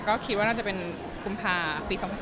ก็คิดว่าน่าจะเป็นกุมภาปี๒๐๑๙